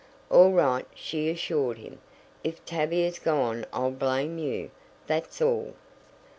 "All right," she assured him. "If Tavia's gone I'll blame you, that's all."